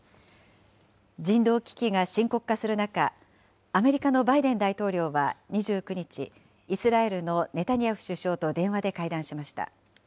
人道危機が深刻化する中、アメリカのバイデン大統領は２９日、イスラエルのネタニヤフ首相と電話で会談しました。